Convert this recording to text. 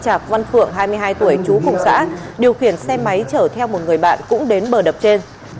thì anh chạp văn phượng hai mươi hai tuổi chú cùng xã điều khiển xe máy chở theo một người bạn cũng đến bờ đập trên